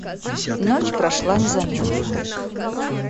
Ночь прошла незаметно.